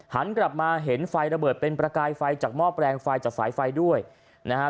หันกลับมาเห็นไฟระเบิดเป็นประกายไฟจากหม้อแปลงไฟจากสายไฟด้วยนะฮะ